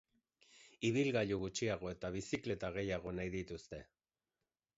Ibilgailu gutxiago eta bizikleta gehiago nahi dituzte.